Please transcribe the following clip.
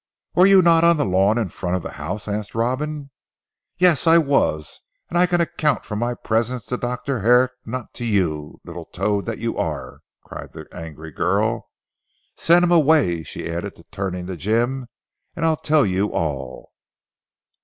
"Were you not on the lawn in front of the house?" asked Robin. "Yes, I was, and I can account for my presence to Dr. Herrick not to you little toad that you are," cried the angry girl. "Send him away," she added turning to Jim, "and I'll tell you all."